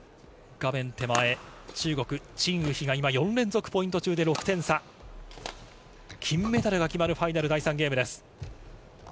画面手前、中国のチン・ウヒ選手が４連続ポイント中で６点差、金メダルが決まる第３ゲームです。